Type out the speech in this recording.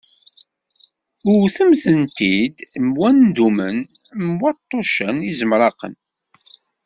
Wtemt-d i mm wandumen, mm waṭṭucen izemraqen.